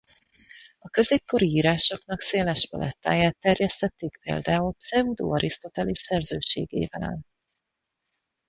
A középkori írásoknak széles palettáját terjesztették például Pszeudo-Arisztotelész szerzőségével.